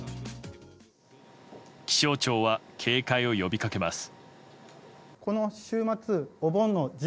気象庁は警戒を呼びかけます。